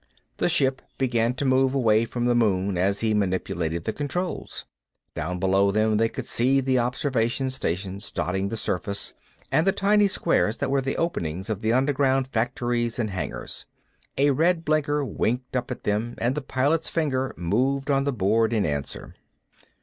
The ship began to move away from the moon as he manipulated the controls. Down below them they could see the observation stations dotting the surface, and the tiny squares that were the openings of the underground factories and hangars. A red blinker winked up at them and the Pilot's fingers moved on the board in answer.